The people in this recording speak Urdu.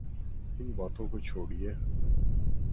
ان باتوں کو چھوڑئیے۔